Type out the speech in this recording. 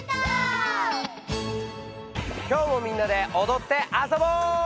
今日もみんなでおどってあそぼう！